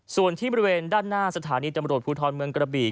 ส่วนที่บริเวณด้านหน้าสถานีตำรวจภูทรเมืองกระบี่